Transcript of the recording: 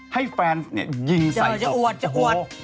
ให้แฟนยิงใส่ตัวโอ้โฮจะอวดจะอวด